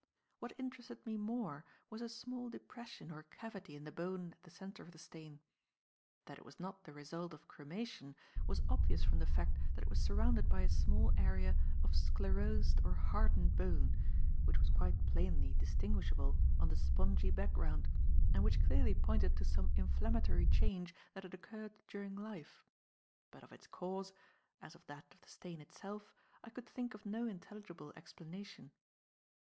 What interested me more was a small depression or cavity in the bone at the centre of the stain. That it was not the result of cremation was obvious from the fact that it was surrounded by a small area of sclerosed or hardened bone, which was quite plainly distinguishable on the spongy background, and which clearly pointed to some inflammatory change that had occurred during life. But of its cause, as of that of the stain itself, I could think of no intelligible explanation.